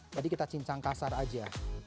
jadi kita cincang kasar aja